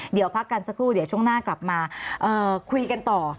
เดี๋ยวพักกันสักครู่เดี๋ยวช่วงหน้ากลับมาคุยกันต่อ